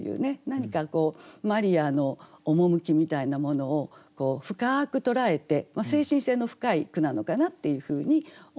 何かマリアの趣みたいなものを深く捉えて精神性の深い句なのかなっていうふうに思いました。